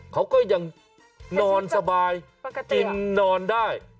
เขาก็ยังนอนสบายกินนอนได้